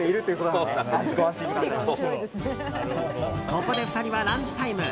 ここで、２人はランチタイム。